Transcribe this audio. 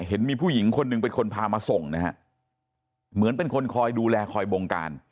เห็นมีผู้หญิงคนหนึ่งเป็นคนพามาส่งนะฮะเหมือนเป็นคนคอยดูแลคอยบงการ